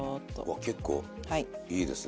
わ結構いいですね。